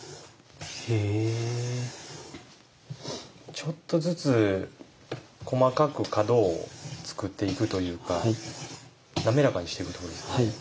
ちょっとずつ細かく角を作っていくというか滑らかにしていくということですね。